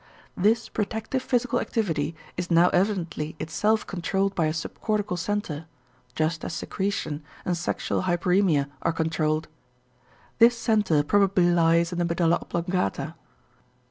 This protective physical activity is now evidently itself controlled by a subcortical center, just as secretion and sexual hyperæmia are controlled. This center probably lies in the medulla oblongata.